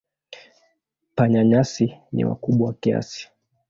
Panya-nyasi ni wakubwa kiasi.